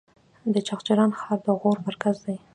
د چغچران ښار د غور مرکز دی